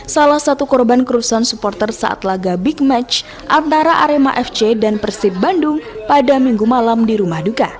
salah satu korban kerusuhan supporter saat laga big match antara arema fc dan persib bandung pada minggu malam di rumah duka